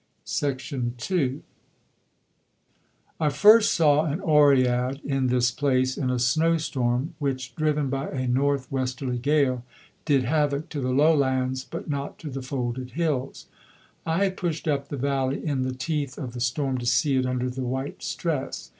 II I first saw an Oread in this place in a snow storm which, driven by a north westerly gale, did havoc to the lowlands, but not to the folded hills. I had pushed up the valley in the teeth of the storm to see it under the white stress.